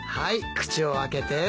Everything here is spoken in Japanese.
口を開けて。